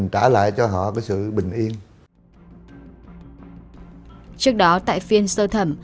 trước đó tại phiên sơ thẩm